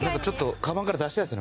かばんから出したいですね